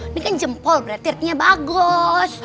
ini kan jempol berarti ritnya bagus